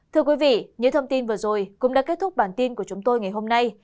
thưa quý vị những thông tin vừa rồi cũng đã kết thúc bản tin của chúng tôi ngày hôm nay